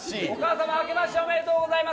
おめでとうございます！